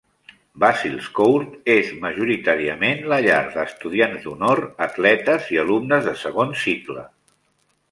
Basil's Court és majoritàriament la llar d'estudiants d'honor, atletes i alumnes de segon cicle.